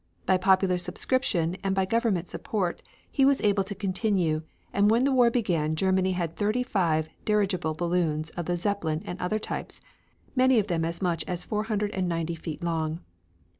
By popular subscription, and by government support, he was able to continue, and when the war began Germany had thirty five dirigible balloons of the Zeppelin and other types, many of them as much as 490 feet long.